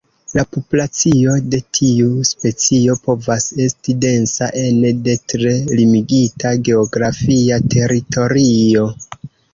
La populacio de tiu specio povas esti densa ene de tre limigita geografia teritorio.